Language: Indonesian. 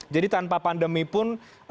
jadi tanpa pandemi pun